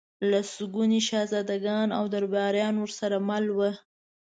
لسګوني شهزادګان او درباریان ورسره مل ول.